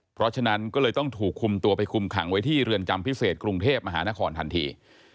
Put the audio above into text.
เพราะฉะนั้นก็เลยต้องถูกคุมตัวไปคุมขังไว้ที่เรือนจำพิเศษกรุงเทพมหานครทันที